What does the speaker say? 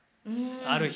ある日。